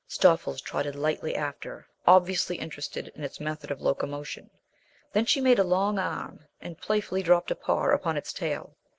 Stoffles trotted lightly after, obviously interested in its method of locomotion. Then she made a long arm and playfully dropped a paw upon its tail.